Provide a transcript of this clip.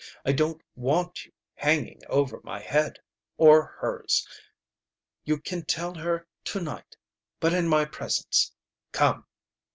I don't want you hanging over my head or hers! You can tell her to night but in my presence! Come!"